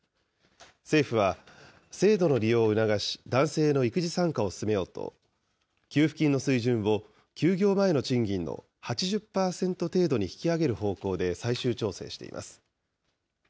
政府は、制度の利用を促し、男性の育児参加を進めようと、給付金の水準を休業前の賃金の８０％程度に引き上げる方向で最終調整しています。